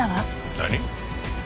何？